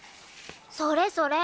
それそれ！